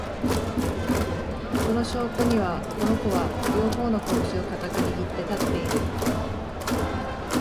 その証拠には、この子は、両方のこぶしを固く握って立っている